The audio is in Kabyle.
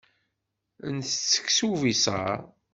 Ntett seksu ubiṣaṛ.